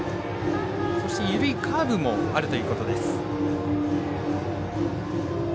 緩いカーブもあるということです。